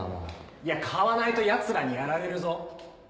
いや買わないとヤツらにやられるぞ。